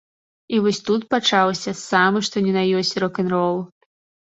І вось тут пачаўся самы што ні на ёсць рок-н-рол.